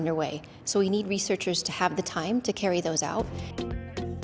jadi kita butuh penelitian untuk memiliki waktu untuk mengembalikannya